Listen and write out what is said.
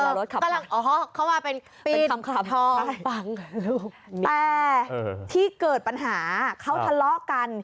เอารถขับมาอ๋อเขามาเป็นเป็นคำขับฟังลูกแต่ที่เกิดปัญหาเขาทะเลาะกัน